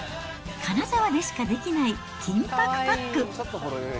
金沢でしかできない金ぱくパック。